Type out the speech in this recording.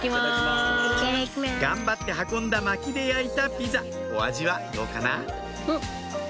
頑張って運んだマキで焼いたピザお味はどうかな？